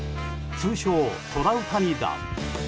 通称トラウタニ弾。